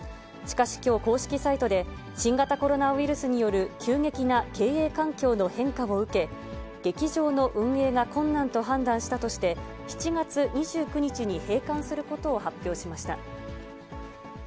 しかし、きょう公式サイトで、新型コロナウイルスによる急激な経営環境の変化を受け、劇場の運営が困難と判断したとして、７月２９日に閉館することを発表しました。